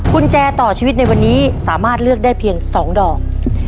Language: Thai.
กุญแจต่อชีวิตในวันนี้สามารถเลือกได้เพียง๒ดอก